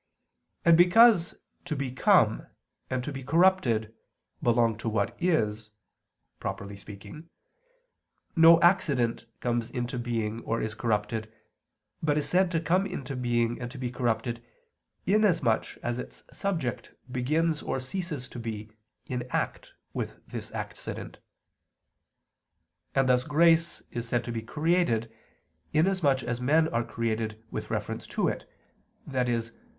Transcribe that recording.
And because to become and to be corrupted belong to what is, properly speaking, no accident comes into being or is corrupted, but is said to come into being and to be corrupted inasmuch as its subject begins or ceases to be in act with this accident. And thus grace is said to be created inasmuch as men are created with reference to it, i.e.